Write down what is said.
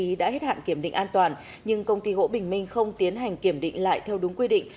công ty đã hết hạn kiểm định an toàn nhưng công ty gỗ bình minh không tiến hành kiểm định lại theo đúng quy định